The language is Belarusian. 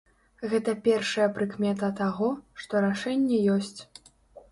Гэта першая прыкмета таго, што рашэнне ёсць.